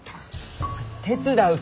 手伝うき！